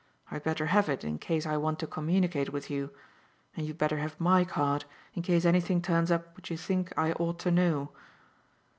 I'd better have it in case I want to communicate with you; and you'd better have my card in case anything turns up which you think I ought to know."